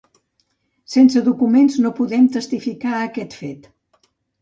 Sense documents no podem testificar aquest fet.